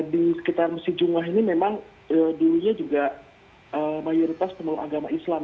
di sekitar masjid jungah ini memang dulunya juga mayoritas penuh agama islam